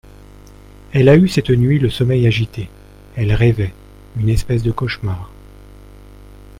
Elle a eu cette nuit le sommeil agité, elle rêvait … une espèce de cauchemar …